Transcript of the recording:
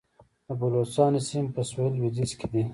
د بلوڅانو سیمې په سویل لویدیځ کې دي